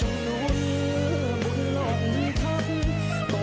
ให้โชคจนลุ้นบุญลงทั้ง